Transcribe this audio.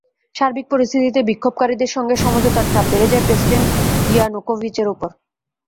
সার্বিক পরিস্থিতিতে বিক্ষোভকারীদের সঙ্গে সমঝোতার চাপ বেড়ে যায় প্রেসিডেন্ট ইয়ানুকোভিচের ওপর।